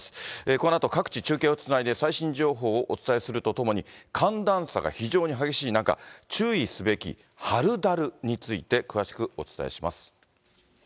このあと各地、中継をつないで最新情報をお伝えするとともに、寒暖差が非常に激しい中、注意すべき春だるについて、詳しくお伝えします。